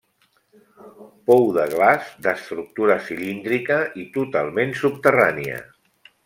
Pou de glaç d'estructura cilíndrica i totalment subterrània.